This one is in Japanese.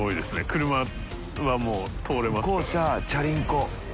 車はもう通れますから。